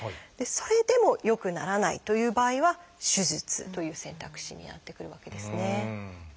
それでも良くならないという場合は「手術」という選択肢になってくるわけですね。